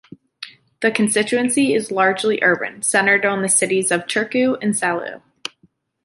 The constituency is largely urban, centred on the cities of Turku and Salo.